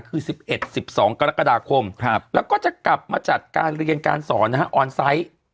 คือ๑๑๑๒กรกฎาคมแล้วก็จะกลับมาจัดการเรียนการสอนนะฮะออนไซต์